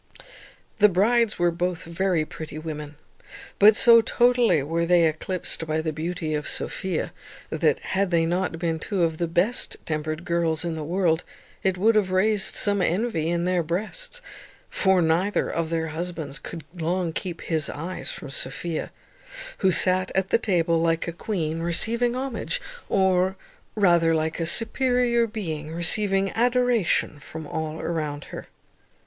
The brides were both very pretty women; but so totally were they eclipsed by the beauty of Sophia, that, had they not been two of the best tempered girls in the world, it would have raised some envy in their breasts; for neither of their husbands could long keep his eyes from Sophia, who sat at the table like a queen receiving homage, or, rather, like a superior being receiving adoration from all around her.